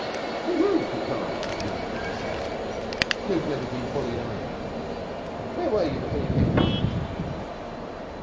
"An' you!" he cried, wheeling where he sat. "You've never been bullied, either. Where were you before you came here?"